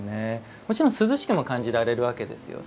もちろん涼しくも感じられるわけですよね。